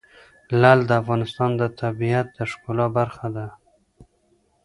لعل د افغانستان د طبیعت د ښکلا برخه ده.